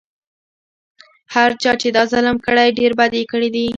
هر چا چې دا ظلم کړی ډېر بد یې کړي دي.